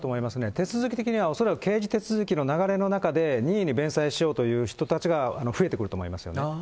手続き的には恐らく刑事手続きの中で、任意に弁済しようという人たちが増えてくると思いますよね。